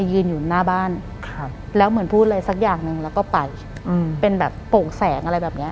หลังจากนั้นเราไม่ได้คุยกันนะคะเดินเข้าบ้านอืม